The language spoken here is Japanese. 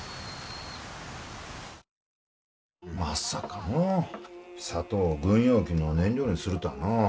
まさかのう砂糖を軍用機の燃料にするたあのう。